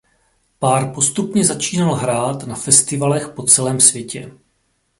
Pár postupně začínal hrát na festivalech po celém světě.